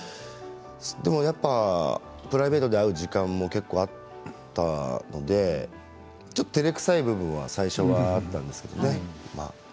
でもやっぱプライベートで会う時間も結構あったのでちょっと、てれくさい部分は最初あったんですよね。